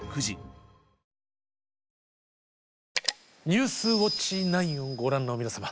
「ニュースウオッチ９」をご覧の皆様